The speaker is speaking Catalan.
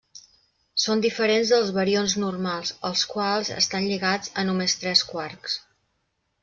Són diferents dels barions normals, els quals estan lligats a només tres quarks.